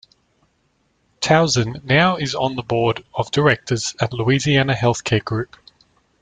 Tauzin now is on the Board of Directors at Louisiana Healthcare Group.